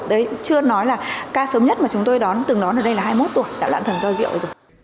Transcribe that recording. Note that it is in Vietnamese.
đấy chưa nói là ca sớm nhất mà chúng tôi đón từng nói là đây là hai mươi một tuổi đã loạn thần do rượu rồi